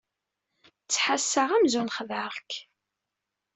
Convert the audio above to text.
Ttḥassaɣ amzun xedɛeɣ-k.